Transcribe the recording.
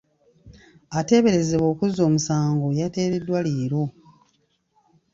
Ateeberezebwa okuzza omusango, yateereddwa leero.